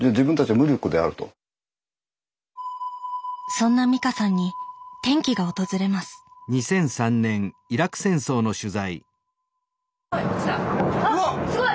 そんな美香さんに転機が訪れますあっすごい！